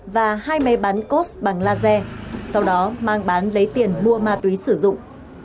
và hai máy bán cốt bằng laser sau đó mang bán lấy tiền mua ma túy sử dụng